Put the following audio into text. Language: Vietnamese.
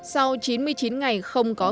sau chín mươi chín ngày không có